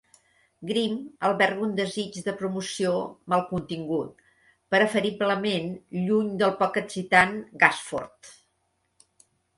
Grim alberga un desig de promoció mal contingut, preferiblement lluny del poc excitant Gasforth.